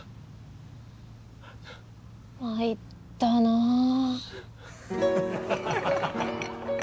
まいったなあ。